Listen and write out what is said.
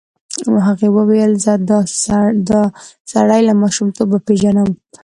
هغې وویل زه دا سړی له ماشومتوبه پېژنم.